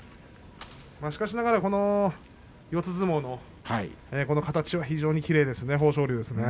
しかしながら四つ相撲の形は非常にきれいですね豊昇龍ですね。